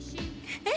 えっ？